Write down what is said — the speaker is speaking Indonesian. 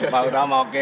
pak utama oke